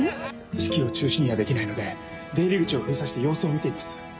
式を中止にはできないので出入り口を封鎖して様子を見ています。